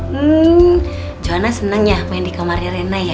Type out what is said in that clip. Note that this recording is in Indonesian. hmm johana senang ya main di kamarnya rena ya